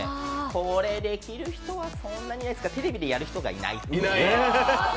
これできる人はそんなに、テレビでやる人がいない。